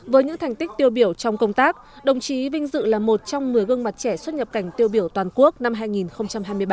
với những thành tích tiêu biểu trong công tác đồng chí vinh dự là một trong một mươi gương mặt trẻ xuất nhập cảnh tiêu biểu toàn quốc năm hai nghìn hai mươi ba